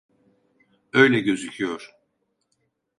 Öyle gözüküyor.